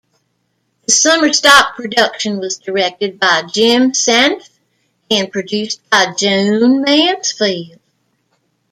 The Summerstock production was directed by Jim Senft and produced by Joan Mansfield.